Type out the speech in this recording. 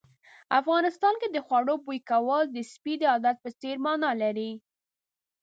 افغانستان کې د خوړو بوي کول د سپي د عادت په څېر مانا لري.